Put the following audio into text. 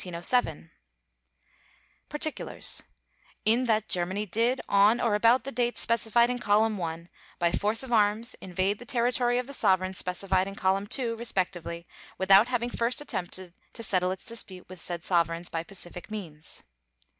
_ PARTICULARS: In that Germany did, on or about the dates specified in Column 1, by force of arms invade the territory of the Sovereigns specified in Column 2, respectively, without having first attempted to settle its dispute with said Sovereigns by pacific means.